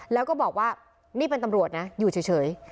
แล้วก็บอกว่านี่เป็นตำรวจนะอยู่เฉย